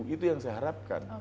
itu yang saya harapkan